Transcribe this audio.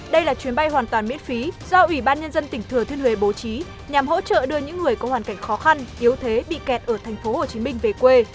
đây là chuyến bay hoàn toàn miễn phí do ủy ban nhân dân tỉnh thừa thiên huế bố trí nhằm hỗ trợ đưa những người có hoàn cảnh khó khăn yếu thế bị kẹt ở tp hcm về quê